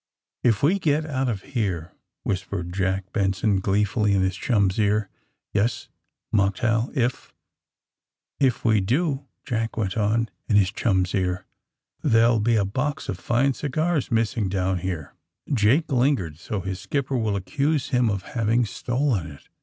^^If we get out of here " whispered Jack Benson gleefully, in his chum's ear. Yes," mocked Hal. ''Iff' If we do," Jack went on, in his chum's ear, ''there'll be a box of fine cigars missing down here. Jake lingered, so his skipper will accuse him of having stolen it.